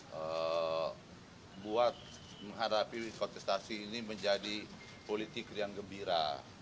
kita buat menghadapi kontestasi ini menjadi politik yang gembira